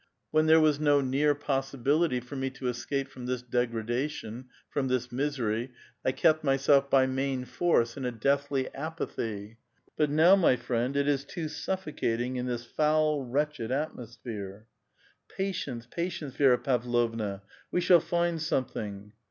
When there was no near possibility for me to escape from this degradation, from this misery, I kept myself^ by main force in a deathly apathy. But now, my friend, it is too suffocating in this foul, wi*etched atmosphere !" "Patience, patience, Vi^ra Pavlovna. We shall find something."